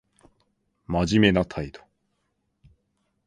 真面目な態度